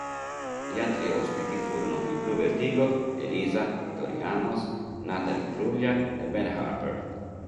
Gli altri ospiti furono i Bluvertigo, Elisa, Tori Amos, Natalie Imbruglia e Ben Harper.